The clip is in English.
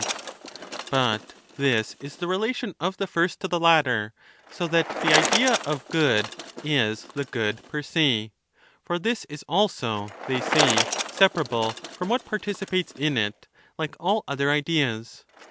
1217^ ETHICA EUDEMIA But this is the relation of the first to the later, so that the Idea of good is the good pei' se ; for this is also (they say) 15 separable from what participates in it, like all other Ideas.